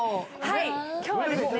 今日はですね